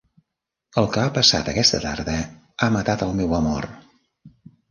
El que ha passat aquesta tarda ha matat el meu amor.